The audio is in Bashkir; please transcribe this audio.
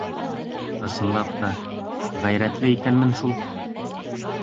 Ысынлап та, ғәйрәтле икәнмен шул!